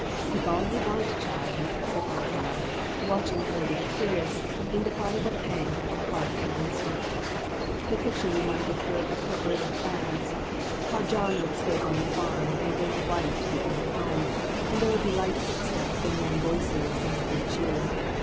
"Pick all you want, child," Aunt Hannah said, watching her with a curious, indefinable pang at her heart for an instant. The picture reminded her of her early plans how John would stay on the farm and bring a wife to the old home, and there would be light footsteps and young voices and good cheer.